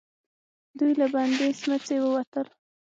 دوئ له بندې سمڅې ووتل.